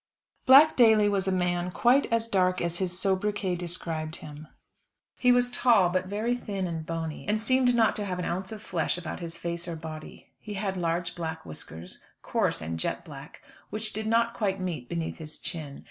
Black Daly was a man quite as dark as his sobriquet described him. He was tall, but very thin and bony, and seemed not to have an ounce of flesh about his face or body. He had large, black whiskers, coarse and jet black, which did not quite meet beneath his chin.